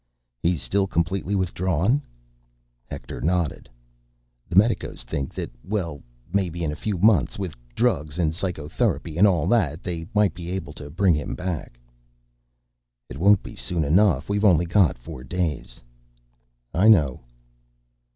"He's still completely withdrawn?" Hector nodded. "The medicos think that ... well, maybe in a few months, with drugs and psychotherapy and all that ... they might be able to bring him back." "It won't be soon enough. We've only got four days." "I know."